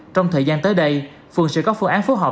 trong thời gian tới đây phường sẽ có phương án phối hợp